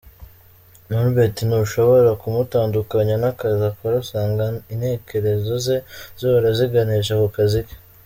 Norbert ntushobora kumutandukanya n’akazi akora usanga intekerezo ze zihora ziganisha ku kazi ke.